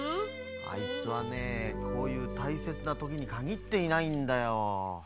あいつはねこういうたいせつなときにかぎっていないんだよ。